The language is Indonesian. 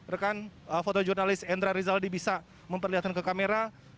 rekan fotojurnalis endra rizaldi bisa memperlihatkan ke kamera